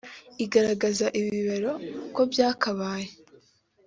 igaragaza ibibero uko byakabaye